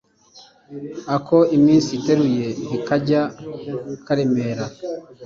ako iminsi iteruye ntikajya karemera